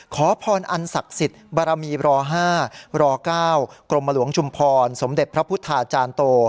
ขอพรอันศักดิ์สิทธิ์บารมีร๕ร๙กรมหลวงชุมพรสมเด็จพระพุทธาจารย์โต